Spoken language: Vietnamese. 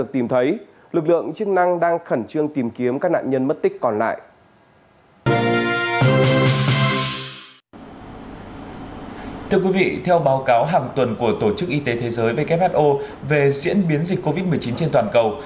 thưa quý vị theo báo cáo hàng tuần của tổ chức y tế thế giới who về diễn biến dịch covid một mươi chín trên toàn cầu